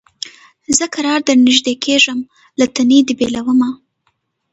زه کرار درنیژدې کېږم له تنې دي بېلومه